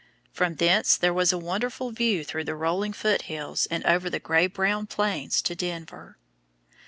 From thence there was a wonderful view through the rolling Foot Hills and over the gray brown plains to Denver.